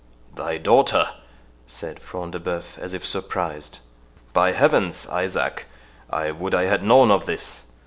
"Thy daughter!" said Front de Bœuf, as if surprised,—"By heavens, Isaac, I would I had known of this.